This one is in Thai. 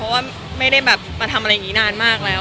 ซอมอยู่ไม่ได้มาทำอะไรแบบนี้นานมากแล้ว